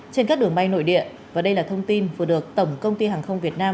trên các đường bay nội địa và đây là thông tin vừa được tổng công ty hàng không việt nam